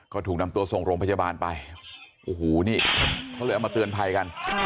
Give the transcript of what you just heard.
ก็ถูกนำตัวส่งโรงพยาบาลไปโอ้โหนี่เขาเลยเอามาเตือนภัยกัน